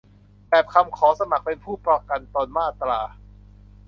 แบบคำขอสมัครเป็นผู้ประกันตนมาตรา